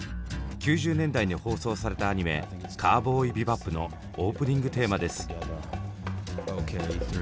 １９９０年代に放送されたアニメ「カウボーイビバップ」のオープニングテーマです。